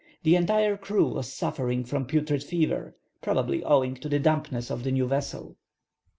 The entire crew was suffering from putrid fever, probably owing to the dampness of the new vessel.